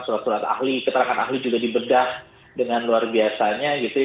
surat surat ahli keterangan ahli juga dibedah dengan luar biasanya gitu ya